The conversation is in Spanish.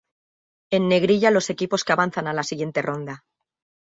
En negrilla los equipos que avanzan a la siguiente ronda.